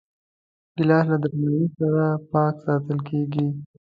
ګیلاس له درناوي سره پاک ساتل کېږي.